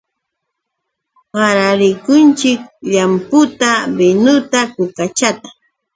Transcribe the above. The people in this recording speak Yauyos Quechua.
Qararikunchik llamputa, binuta, kukachata.